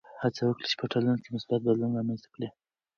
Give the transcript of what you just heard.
هڅه وکړه چې په ټولنه کې مثبت بدلون رامنځته کړې.